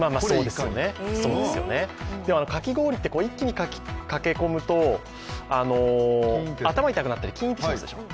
かき氷って一気にかき込むと頭痛くなったり、キーンってしますでしょう。